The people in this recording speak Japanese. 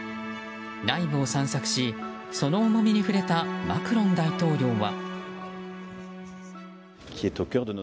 内部を散策し、その重みに触れたマクロン大統領は。